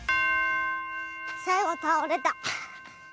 さいごたおれた。